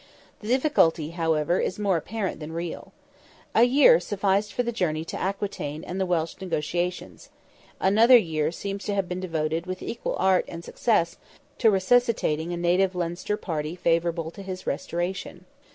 The difficulty, however, is more apparent than real. A year sufficed for the journey to Aquitaine and the Welsh negotiations. Another year seems to have been devoted with equal art and success to resuscitating a native Leinster party favourable to his restoration.